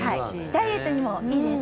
ダイエットにもいいです。